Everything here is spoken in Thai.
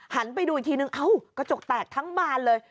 ไปดูอีกทีนึงเอ้ากระจกแตกทั้งบานเลย